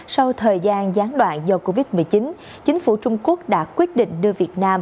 sau thời gian gián đoạn do covid một mươi chín chính phủ trung quốc đã quyết định đưa việt nam